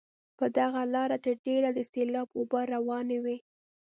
په دغه لاره تر ډېره د سیلاب اوبه روانې وي.